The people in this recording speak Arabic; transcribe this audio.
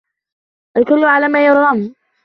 الكلّ على ما يُرام.